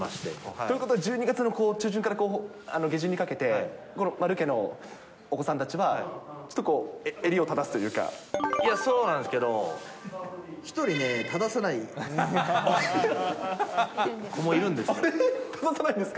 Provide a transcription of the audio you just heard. ということは１２月の中旬から下旬にかけて、丸家のお子さんたちはちょっとこう、いや、そうなんですけど、１人ね、あれ？正さないんですか。